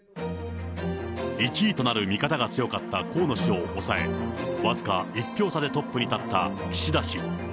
１位となる見方が強かった河野氏を抑え、僅か１票差でトップに立った岸田氏。